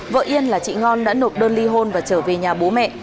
vợ yên là chị ngon đã nộp đơn ly hôn và trở về nhà bố mẹ